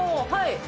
はい。